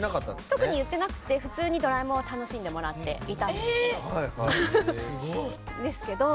特に言ってなくて普通に「ドラえもん」を楽しんでもらっていたんですけど。